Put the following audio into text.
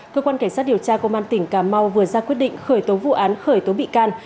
cơ quan cảnh sát điều tra công an tỉnh cà mau vừa ra quyết định khởi tố vụ án khởi tố bị can